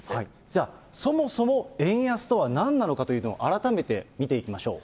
じゃあ、そもそも円安とはなんなのかというのを改めて見ていきましょう。